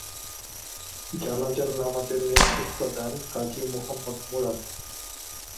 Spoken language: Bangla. জানাজার নামাজের নেতৃত্ব দেন কাজী মুহাম্মদ মুরাদ।